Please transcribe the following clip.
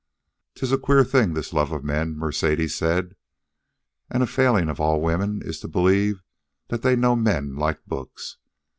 "'Tis a queer thing, this love of men," Mercedes said. "And a failing of all women is it to believe they know men like books.